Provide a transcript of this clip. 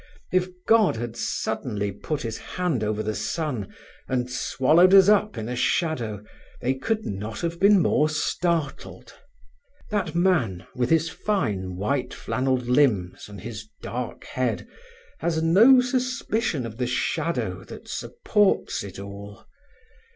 If God had suddenly put His hand over the sun, and swallowed us up in a shadow, they could not have been more startled. That man, with his fine, white flannelled limbs and his dark head, has no suspicion of the shadow that supports it all.